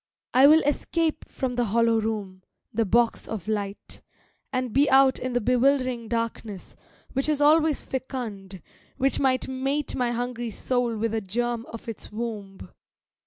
I will escape from the hollow room, the box of light, And be out in the bewildering darkness, which is always fecund, which might Mate my hungry soul with a germ of its womb.